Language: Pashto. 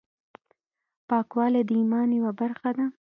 پاکوالی د ایمان یوه برخه ده.